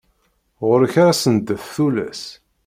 Ɣur-k ara sendent tullas.